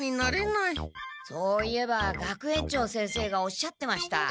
そういえば学園長先生がおっしゃってました。